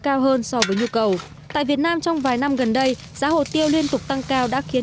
cao hơn so với nhu cầu tại việt nam trong vài năm gần đây giá hồ tiêu liên tục tăng cao đã khiến